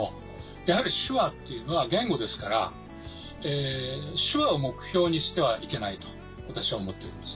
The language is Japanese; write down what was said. やはり手話っていうのは言語ですから手話を目標にしてはいけないと私は思っております。